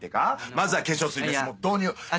まずは化粧水です導入！